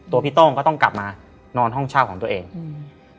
พี่โต้งก็ต้องกลับมานอนห้องเช่าของตัวเองอืม